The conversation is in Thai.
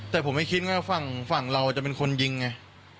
แต่ผมไม่คิดว่าฝั่งเราจะเป็นคนยิงไง